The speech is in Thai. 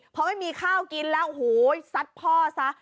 เพราะไม่มีข้าวกินแล้วสัดพ่อซะ